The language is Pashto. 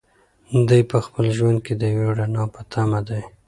دی په خپل ژوند کې د یوې رڼا په تمه دی.